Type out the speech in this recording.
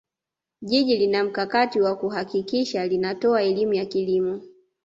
jiji linamkakati wa kuhakikisha linatoa elimu ya kilimo